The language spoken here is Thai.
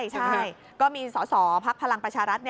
ใช่ก็มีสอสอพักพลังประชารัฐ